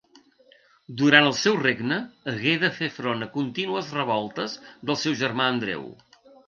Durant el seu regne hagué de fer front a contínues revoltes del seu germà Andreu.